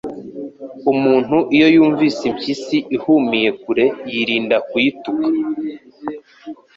Umuntu iyo yumvise impyisi ihumiye kure, yirinda kuyituka,